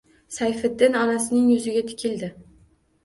Sayfiddin onasining yuziga tikildi